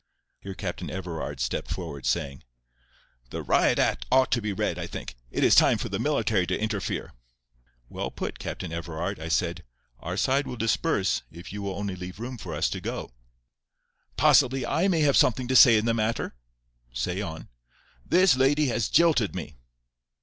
Here Captain Everard stepped forward, saying,— "The riot act ought to be read, I think. It is time for the military to interfere." "Well put, Captain Everard," I said. "Our side will disperse if you will only leave room for us to go." "Possibly I may have something to say in the matter." "Say on." "This lady has jilted me."